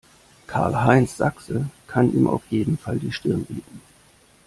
Karl-Heinz Sachse kann ihm auf jeden Fall die Stirn bieten.